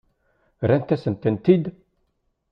Rrant-asent-tent-id?